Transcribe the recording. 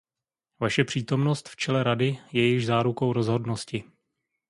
Vaše přítomnost v čele Rady je již zárukou rozhodnosti.